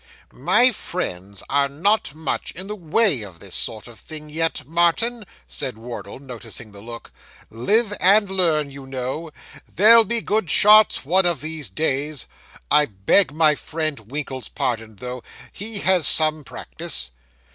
'My friends are not much in the way of this sort of thing yet, Martin,' said Wardle, noticing the look. 'Live and learn, you know. They'll be good shots one of these days. I beg my friend Winkle's pardon, though; he has had some practice.